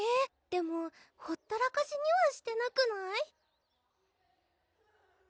でもほったらかしにはしてなくない？